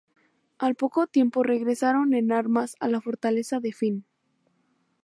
Al poco tiempo regresaron en armas a la fortaleza de Finn.